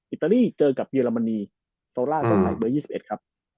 อิตาลีเจอกับเยอรมนีโซล่าตัวไทยเบอร์๒๑ครับ